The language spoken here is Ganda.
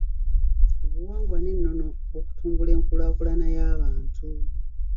Obuwangwa n’ennono okutumbula enkulaakulana y’abantu.